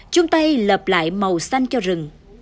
chung tay lập lại màu xanh cho rừng